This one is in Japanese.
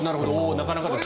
なかなかですね。